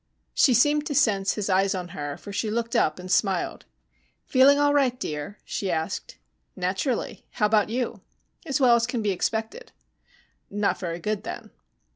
She seemed to sense his eyes on her, for she looked up and smiled. "Feeling all right, dear?" she asked. "Naturally. How about you?" "As well as can be expected." "Not very good, then."